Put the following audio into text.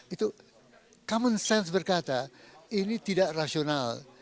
itu common sense berkata ini tidak rasional